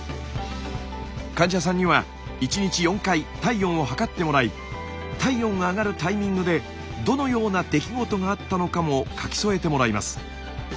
患者さんには１日４回体温を測ってもらい体温が上がるタイミングでどのような出来事があったのかも書き添えてもらいます。